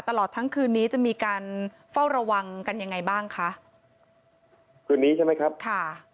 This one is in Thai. ตลอดทั้งคืนนี้จะมีการเฝ้าระวังกันยังไงบ้างคะคืนนี้ใช่ไหมครับค่ะ